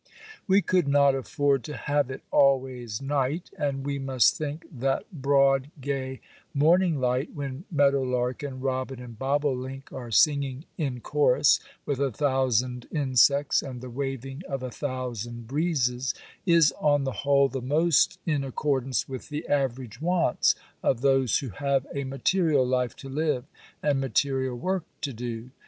We could not afford to have it always night—and we must think that broad, gay morning light, when meadow lark and robin and bobolink are singing in chorus with a thousand insects and the waving of a thousand breezes, is on the whole the most in accordance with the average wants of those who have a material life to live and material work to do.